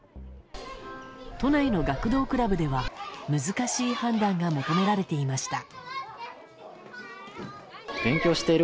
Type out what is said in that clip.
都内の学童クラブでは難しい判断が求められていました。